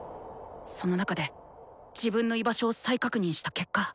その中で自分の居場所を再確認した結果。